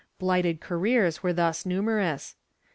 Blighted careers were thus numer ous.